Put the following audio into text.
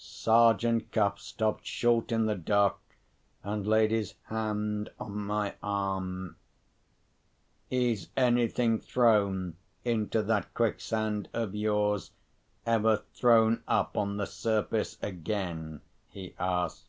Sergeant Cuff stopped short in the dark, and laid his hand on my arm. "Is anything thrown into that quicksand of yours, ever thrown up on the surface again?" he asked.